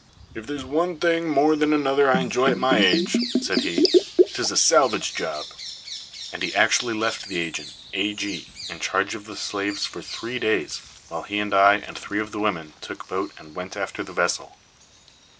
"If there's one thing more than another I enjoy at my age," said he, "'tis a salvage job." And he actually left the agent A. G. in charge of the slaves for three days, while he and I and three of the women took boat and went after the vessel.